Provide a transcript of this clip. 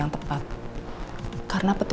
onun nahit pernah ibu